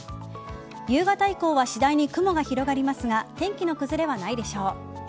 夕方以降は次第に雲が広がりますが天気の崩れはないでしょう。